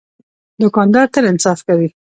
دوکاندار تل انصاف کوي.